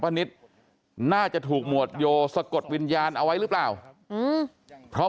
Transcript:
นิตน่าจะถูกหมวดโยสะกดวิญญาณเอาไว้หรือเปล่าเพราะ